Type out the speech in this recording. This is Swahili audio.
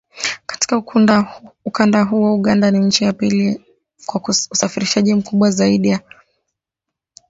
Katika ukanda huo Uganda ni nchi ya pili kwa usafirishaji mkubwa zaidi wa